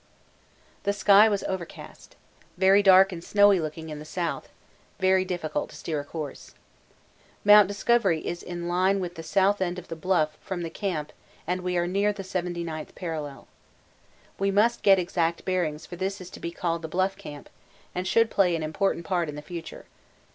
The sky was overcast: very dark and snowy looking in the south very difficult to steer a course. Mt. Discovery is in line with the south end of the Bluff from the camp and we are near the 79th parallel. We must get exact bearings for this is to be called the 'Bluff Camp' and should play an important part in the future.